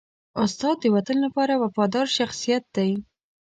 استاد د وطن لپاره وفادار شخصیت دی.